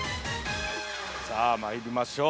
◆さあ、まいりましょう。